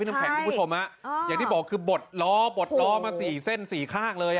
น้ำแข็งคุณผู้ชมฮะอย่างที่บอกคือบดล้อบดล้อมาสี่เส้นสี่ข้างเลย